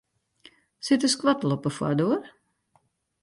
Sit de skoattel op de foardoar?